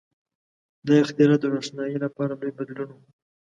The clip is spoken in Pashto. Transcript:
• دا اختراع د روښنایۍ لپاره لوی بدلون و.